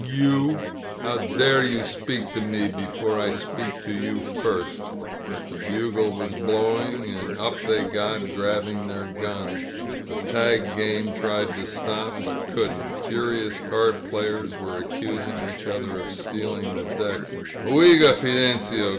You ! How dare you speak to me before I speak to you first ^" But the bugle was blowing, and up they got, grab bing their guns. The tag game tried to stop, but couldn't. Furious card players were accusing each other of stealing the deck. Oiga, Fidencio!"